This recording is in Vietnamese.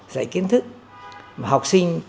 dạy kiến thức học sinh